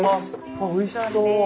あっおいしそう。